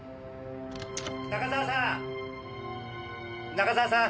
中沢さん。